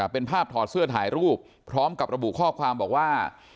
เป็นภาพถอดเสื้อถ่ายรูปพร้อมกับระบุข้อความบอกว่า